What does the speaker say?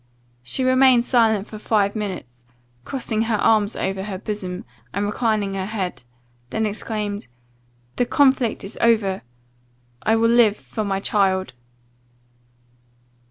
She remained silent for five minutes, crossing her arms over her bosom, and reclining her head, then exclaimed: 'The conflict is over! I will live for my child!